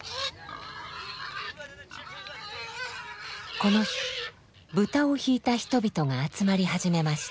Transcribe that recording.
この日豚を引いた人々が集まり始めました。